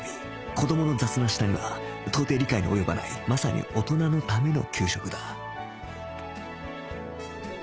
子どもの雑な舌には到底理解の及ばないまさに大人のための給食だ